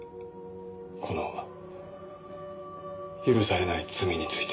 この許されない罪について。